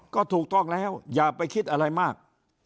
ก็ถูกต้องแล้วอย่าไปคิดอะไรมาก